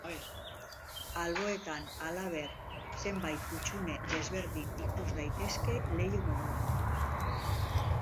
Alboetan, halaber, zenbait hutsune desberdin ikus daitezke, leiho moduan.